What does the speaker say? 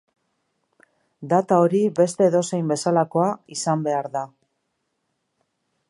Data hori beste edozein bezalakoa izan behar da.